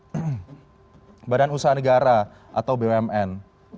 dan juga dari badan usaha negara atau bmn